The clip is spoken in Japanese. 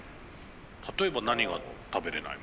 例えば何が食べれないの？